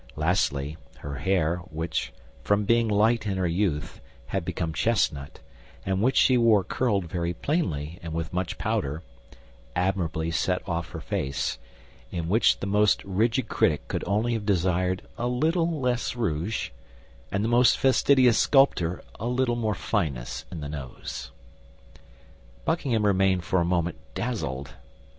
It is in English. Lastly, her hair, which, from being light in her youth, had become chestnut, and which she wore curled very plainly, and with much powder, admirably set off her face, in which the most rigid critic could only have desired a little less rouge, and the most fastidious sculptor a little more fineness in the nose. Buckingham remained for a moment dazzled.